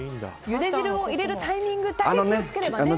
ゆで汁を入れるタイミングだけ気を付ければね。